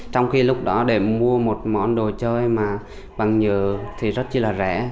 trong khi lúc đó để mua một món đồ chơi mà bằng nhựa thì rất là rẻ